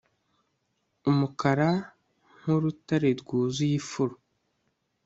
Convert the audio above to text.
Umukara nkurutare rwuzuye ifuro